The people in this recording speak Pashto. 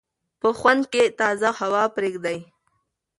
په خونه کې تازه هوا پرېږدئ.